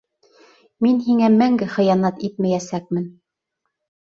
— Мин һиңә мәңге хыянат итмәйәсәкмен.